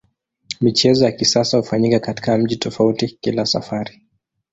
Michezo ya kisasa hufanyika katika mji tofauti kila safari.